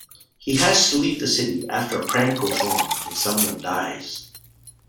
He has to leave the city after a prank goes wrong and someone dies.